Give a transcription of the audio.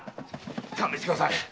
勘弁してください！〕